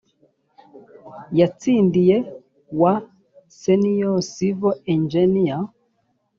yatsindiye wa senior civil engineer